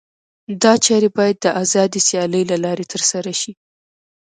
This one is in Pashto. دا چارې باید د آزادې سیالۍ له لارې ترسره شي.